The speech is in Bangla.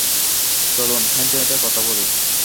চলুন হেঁটে হেঁটে কথা বলি।